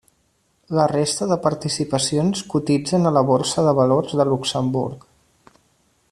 La resta de participacions cotitzen a la Borsa de valors de Luxemburg.